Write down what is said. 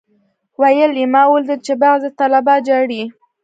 ويل يې ما اوليدل چې بعضي طلبا جاړي.